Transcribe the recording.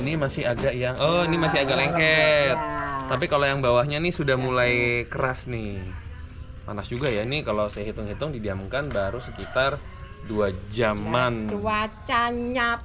oh ini masih agak oh itu masih agak lengket tapi kalau yang bawahnya ini sudah mulai keras nih panas juga ya ini kalau saya hitung hitung didiamkan baru sekitar dua jam banyaknya housing anda yang sudah buat udara nggak bersama saja